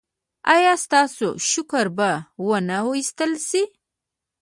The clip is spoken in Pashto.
ایا ستاسو شکر به و نه ویستل شي؟